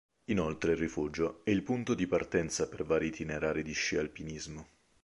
Inoltre il rifugio è punto di partenza per vari itinerari di sci alpinismo.